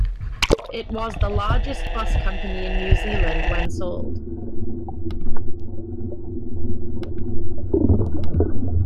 It was the largest bus company in New Zealand when sold.